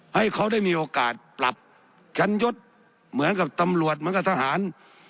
ให้เขาได้มีโอกาสปรับชั้นยศเหมือนกับตำรวจเหมือนกับทหาร